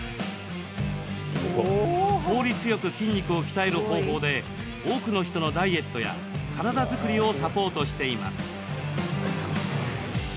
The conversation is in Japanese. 効率よく筋肉を鍛える方法で多くの人のダイエットや体作りをサポートしています。